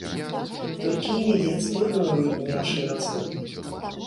Толькі не вядзецца дурной рыбы ў нашай рацэ.